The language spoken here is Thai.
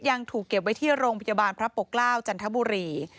ยังถูกเก็บไว้ที่โรงพยาบาลพระปกเกล้าจันทบุรี